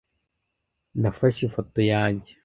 Nafashe ifoto yanjye.